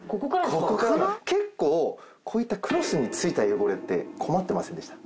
結構こういったクロスについた汚れって困ってませんでした？